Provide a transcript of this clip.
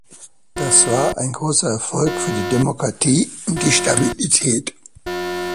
Das war ein großer Erfolg für die Demokratie und die Stabilität.